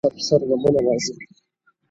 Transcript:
اوس گراني سر پر سر غمونـــه راځــــــــي،